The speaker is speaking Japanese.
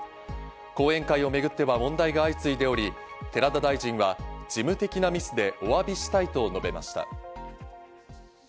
後援会をめぐっては問題が相次いでおり、寺田大臣は事務的なミスでお詫びしたいと述べました。